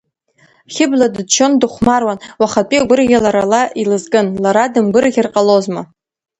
Хьыбла дыччон, дыхәмаруан, уахатәи агәырӷьара лара илызкын, лара дымгәырӷьар ҟалозма.